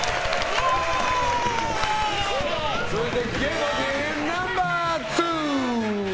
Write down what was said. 続いて、芸能人ナンバー２！